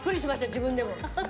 自分でも。